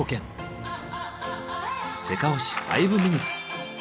「せかほし５ｍｉｎ．」。